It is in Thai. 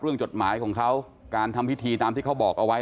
จดหมายของเขาการทำพิธีตามที่เขาบอกเอาไว้